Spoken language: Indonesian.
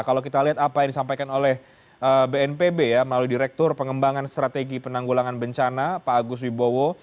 kalau kita lihat apa yang disampaikan oleh bnpb ya melalui direktur pengembangan strategi penanggulangan bencana pak agus wibowo